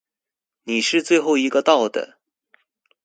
你是最后一个到的。